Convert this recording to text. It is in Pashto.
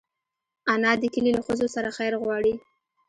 انا د کلي له ښځو سره خیر غواړي